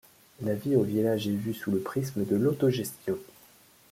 La vie au village est vue sous le prisme de l'autogestion.